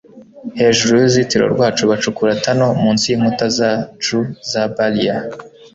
hejuru yuruzitiro rwacu bacukura tunel munsi yinkuta zacu za barrier